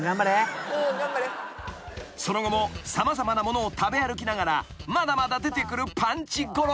［その後も様々なものを食べ歩きながらまだまだ出てくるパンチ語録］